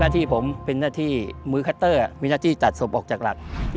นาฬิครับผมเป็นนาฬิมือคัตเตอร์มีนาฬิจัดสมบอกจากหลัก